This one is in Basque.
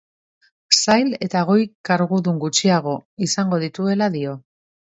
Sail eta goi-kargudun gutxiago izango dituela dio.